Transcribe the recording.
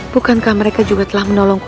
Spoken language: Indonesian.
bukankah mereka juga telah menolongku